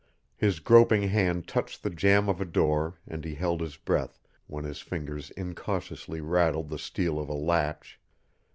His groping hand touched the jam of a door and he held his breath when his fingers incautiously rattled the steel of a latch.